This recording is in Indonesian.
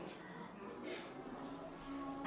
apa harapan kamu untuk mencapai keuntungan